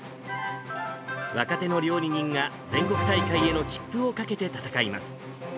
若手の料理人が、全国大会への切符をかけて戦います。